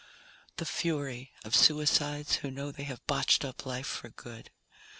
The Fury of suicides who know they have botched up life for good.